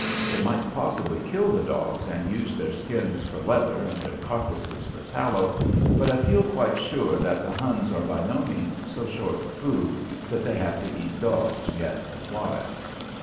They might possibly kill the dogs and use their skins for leather and their carcasses for tallow, but I feel quite sure that the Huns are by no means so short of food that they have to eat dogs yet awhile.